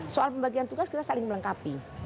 soal pembagian tugas kita saling melengkapi